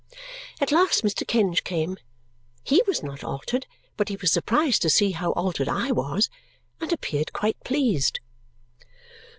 At last Mr. Kenge came. HE was not altered, but he was surprised to see how altered I was and appeared quite pleased.